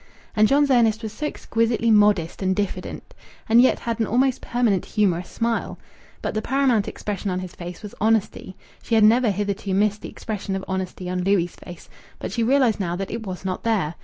And John's Ernest was so exquisitely modest and diffident, and yet had an almost permanent humorous smile. But the paramount expression on his face was honesty. She had never hitherto missed the expression of honesty on Louis' face, but she realized now that it was not there....